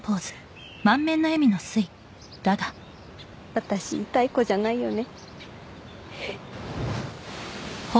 私イタい子じゃないよね